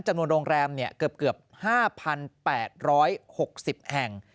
จำนวนโรงแรมเกือบ๕๘๖๐แห่ง